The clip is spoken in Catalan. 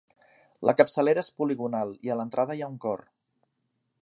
La capçalera és poligonal i a l'entrada hi ha un cor.